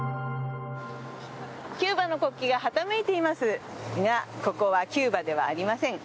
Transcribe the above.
キューバの国旗がはためいていますがここはキューバではありません。